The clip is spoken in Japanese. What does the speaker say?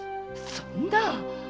そんな！